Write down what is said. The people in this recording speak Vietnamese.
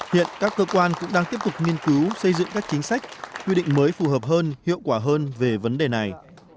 hiện các cơ quan cũng đang tiếp tục nghiên cứu xây dựng các chính sách quy định mới phù hợp hơn hiệu quả hơn về vấn đề này